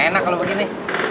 enak kalau begini